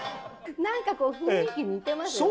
何かこう雰囲気似てますよね。